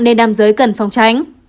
nên nam giới cần phòng tránh